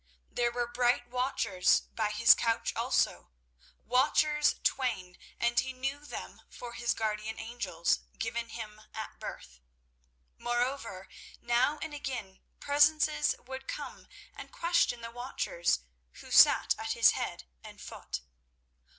There were bright watchers by his couch also, watchers twain, and he knew them for his guardian angels, given him at birth. Moreover, now and again presences would come and question the watchers who sat at his head and foot.